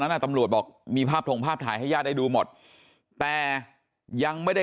น่ะตำรวจบอกมีภาพทงภาพถ่ายให้ญาติได้ดูหมดแต่ยังไม่ได้